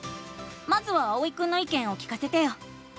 まずはあおいくんのいけんを聞かせてよ！